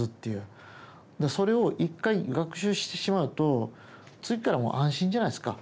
でそれを１回学習してしまうと次からもう安心じゃないですか。